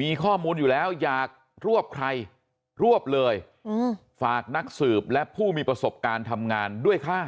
มีข้อมูลอยู่แล้วอยากรวบใครรวบเลยฝากนักสืบและผู้มีประสบการณ์ทำงานด้วยค่ะ